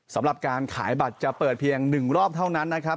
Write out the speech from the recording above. สำหรับการขายบัตรจะเปิดเพียง๑รอบเท่านั้นนะครับ